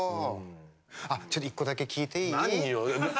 ちょっと１個だけ聞いていい？